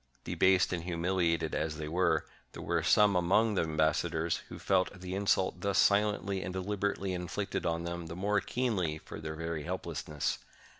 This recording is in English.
Debased and humiliated as they were, there were some among the ambassadors who felt the insult thus silently and dehberately inflicted on them the more keenly for their very helplessness.